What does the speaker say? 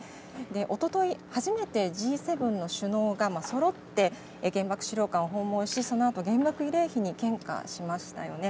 おととい、初めてＧ７の首脳がそろって、原爆資料館を訪問し、そのあと原爆慰霊碑に献花しましたよね。